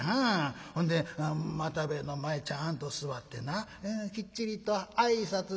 ほんで又兵衛の前ちゃんと座ってなきっちりと挨拶したで。